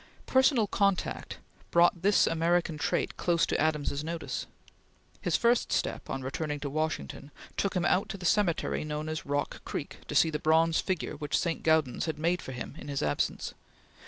Personal contact brought this American trait close to Adams's notice. His first step, on returning to Washington, took him out to the cemetery known as Rock Creek, to see the bronze figure which St. Gaudens had made for him in his absence.